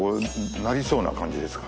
なりそうな感じですか？